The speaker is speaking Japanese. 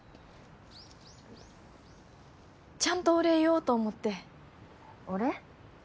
ちゃんとお礼言おうと思ってお礼？